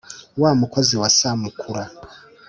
wa mukozi wa samukuru